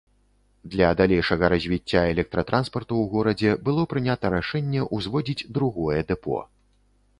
Для далейшага развіцця электратранспарту ў горадзе было прынята рашэнне ўзводзіць другое дэпо.